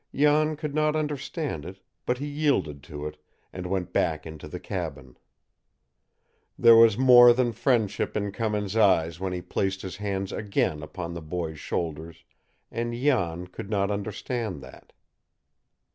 Jan could not understand it, but he yielded to it, and went back into the cabin. There was more than friendship in Cummins' eyes when he placed his hands again upon the boy's shoulders, and Jan could not understand that.